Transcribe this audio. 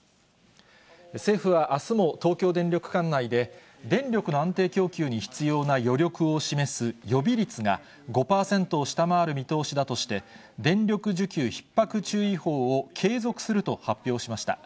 政府はあすも、東京電力管内で、電力の安定供給に必要な余力を示す予備率が、５％を下回る見通しだとして、電力需給ひっ迫注意報を継続すると発表しました。